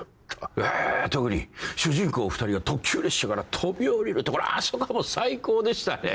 ええ特に主人公２人が特急列車から飛び降りるところあそこはもう最高でしたね。